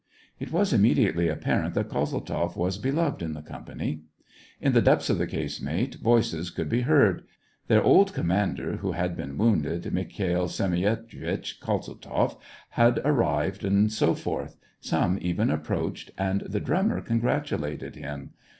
It was immediately apparent that Kozeltzoff was beloved in the company. In the depths of the casemate, voices could be heard. Their old commander, who had been wounded, Mikhail Semyonitch Kozeltzoff, had ar rived, and so forth ; some even approached, and the drummer congratulated him.